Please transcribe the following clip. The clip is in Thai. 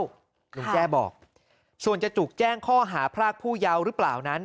ลุงแจ้บอกส่วนจะจุกแจ้งข้อหาพรากผู้เยาว์หรือเปล่านั้น